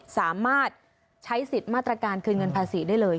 สามารถใช้สิทธิ์มาตรการคืนเงินภาษีได้เลย